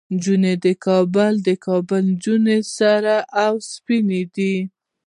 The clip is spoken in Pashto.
نجونه د کابل، د کابل نجونه سرې او سپينې دي